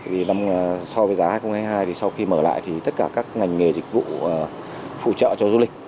vì so với giá hai nghìn hai mươi hai thì sau khi mở lại thì tất cả các ngành nghề dịch vụ phụ trợ cho du lịch